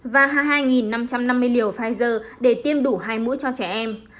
và hai mươi hai năm trăm năm mươi liều pfizer để tiêm đủ hai mũi cho trẻ em